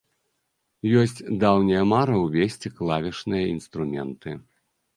Ёсць даўняя мара ўвесці клавішныя інструменты.